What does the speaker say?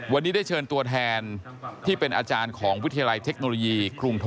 วันนี้ได้เชิญตัวแทนที่เป็นอาจารย์ของวิทยาลัยเทคโนโลยีกรุง